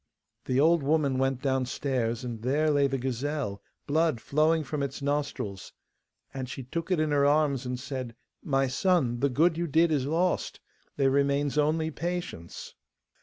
The old woman went downstairs, and there lay the gazelle, blood flowing from its nostrils. And she took it in her arms and said, 'My son, the good you did is lost; there remains only patience.